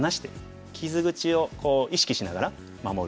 傷口を意識しながら守る。